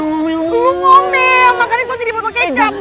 lu ngomel makanya kalo jadi bodoh kecap